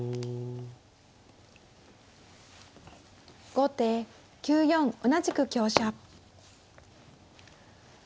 後手９四同じく香車。